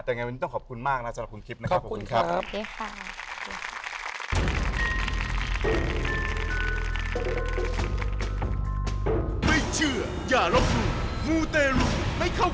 แต่ยังไงวันนี้ต้องขอบคุณมากนะครับคุณคริปขอบคุณครับโอเคค่ะ